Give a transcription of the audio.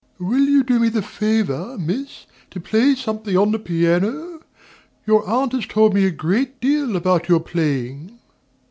Will you do me the favor, Miss, to play something on the piano? Your aunt has told me a great deal about your playing.